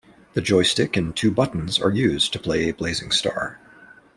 The joystick and two buttons are used to play Blazing Star.